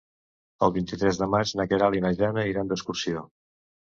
El vint-i-tres de maig na Queralt i na Jana iran d'excursió.